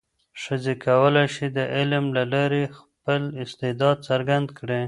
ښځې کولای شي د علم له لارې خپل استعداد څرګند کړي.